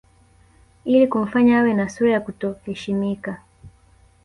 Ili kumfanya awe na sura ya kuto heshimika